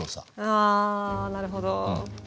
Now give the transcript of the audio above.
あなるほど。